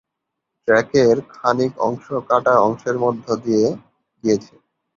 ট্র্যাকের খানিক অংশ কাটা অংশের মধ্যে দিয়ে গিয়েছে।